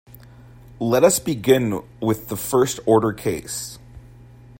Let us begin with the first order case.